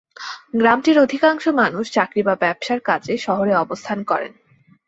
গ্রামটির অধিকাংশমানুষ চাকরি বা ব্যবসার কাজে শহরে অবস্থান করেন।